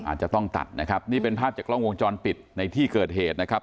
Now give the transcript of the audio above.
อาจจะต้องตัดนะครับนี่เป็นภาพจากกล้องวงจรปิดในที่เกิดเหตุนะครับ